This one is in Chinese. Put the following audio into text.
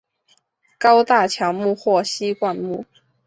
高大乔木或稀灌木。